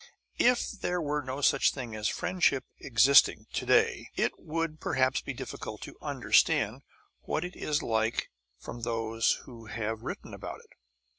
If there were no such thing as friendship existing to day, it would perhaps be difficult to understand what it is like from those who have written about it.